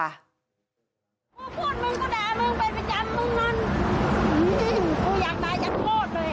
กูพูดกูด่าไปไปจำกูคือยาคตายจากโฆษเลยอะ